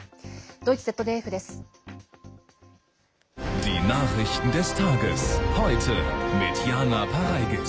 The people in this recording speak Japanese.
ドイツＺＤＦです。